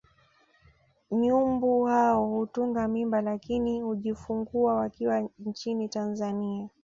Nyumbu hao hutunga mimba lakini hujifungua wakiwa nchini Tanzania